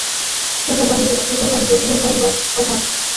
চোখের বালি দেশে যাইবার কথা বলিতেই তিনি অস্থির হইয়া ওঠেন।